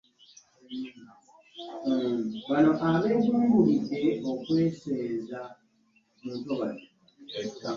Eby'obugagga by'obwakabaka byonna bikyali mu buwambe.